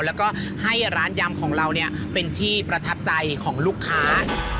แล้วก็ให้ร้านยำของเราเป็นที่ประทับใจของลูกค้า